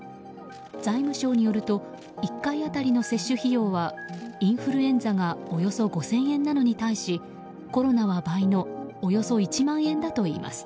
財務省によると１回当たりの接種費用はインフルエンザがおよそ５０００円なのに対しコロナは倍のおよそ１万円だといいます。